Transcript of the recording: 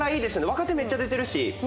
若手めっちゃ出てるし。